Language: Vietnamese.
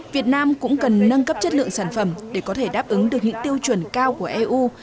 việt nam cũng cần nâng cấp chất lượng sản phẩm để có thể đáp ứng được những tiêu chuẩn cao của eu